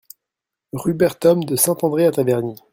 Rue Berthomme de Saint-André à Taverny